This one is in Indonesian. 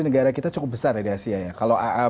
negara kita cukup besar ya di asia ya kalau